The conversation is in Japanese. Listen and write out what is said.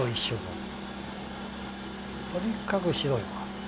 とにかく白いわ。